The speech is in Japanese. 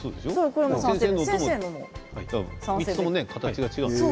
３つとも形が違う。